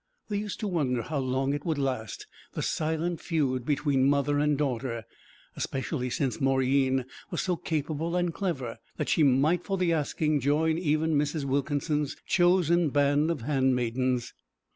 They used to wonder how long it would last, the silent feud between mother and daughter, especially since Mauryeen was so capable and clever that she might for the asking join even Mrs. Wilkinson's chosen band of handmaidens.